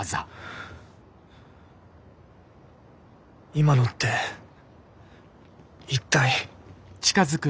今のって一体！？